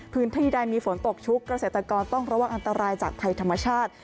พื้นที่ใดมีฝนตกชุกเกษตรกรต้องระวังอันตรายจากภัยธรรมชาติ